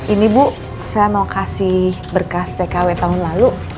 ini bu saya mau kasih berkas tkw tahun lalu